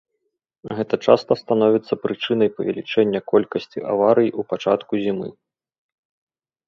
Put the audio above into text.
Гэта часта становіцца прычынай павелічэння колькасці аварый у пачатку зімы.